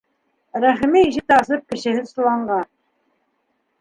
Рәхимә, ишекте асып, кешеһеҙ соланға: